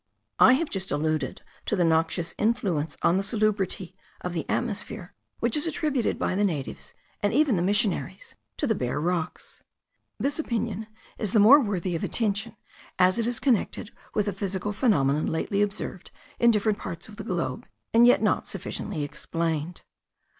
I have just alluded to the noxious influence on the salubrity of the atmosphere, which is attributed by the natives, and even the missionaries, to the bare rocks. This opinion is the more worthy of attention, as it is connected with a physical phenomenon lately observed in different parts of the globe, and not yet sufficiently explained.